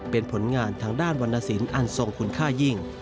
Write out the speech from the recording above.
เป็นผลงานทางด้านวรรณสินอันทรงคุณค่ายิ่ง